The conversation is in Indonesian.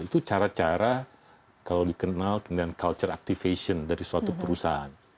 itu cara cara kalau dikenal dengan culture activation dari suatu perusahaan